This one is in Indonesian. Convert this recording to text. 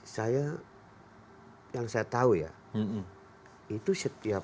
saya yang saya tahu ya itu setiap